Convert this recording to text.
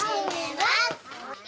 はい！